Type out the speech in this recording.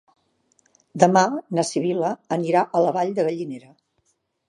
Demà na Sibil·la anirà a la Vall de Gallinera.